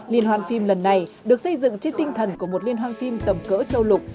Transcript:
liên hoan phim lần này được xây dựng trên tinh thần của một liên hoan phim tầm cỡ châu lục